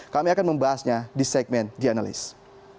kami akan membahasnya di segmen dianalisis